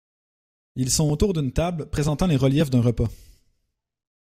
Ils sont autour d’une table présentant les reliefs d’un repas.